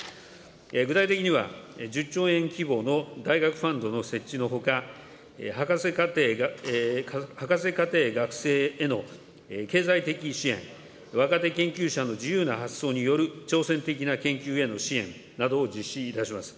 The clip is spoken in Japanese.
具体的には１０兆円規模の大学ファンドの設置のほか、博士課程学生への経済的支援、若手研究者の自由な発想による挑戦的な研究への支援などを実施いたします。